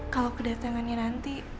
kalau kedatangannya nanti